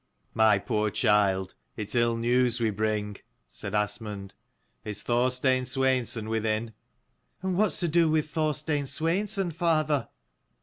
227 " My poor child, it's ill news we bring," said Asmund. " Is Thorstein Sweinson within ?" "And what's to do with Thorstein Sweinson, father?"